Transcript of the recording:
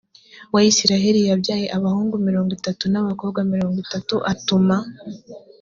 wa isirayeli yabyaye abahungu mirongo itatu n abakobwa mirongo itatu atuma